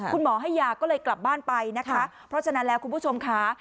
คุณหมอให้ยาก็เลยกลับบ้านไปนะคะเพราะฉะนั้นแล้วคุณผู้ชมค่ะ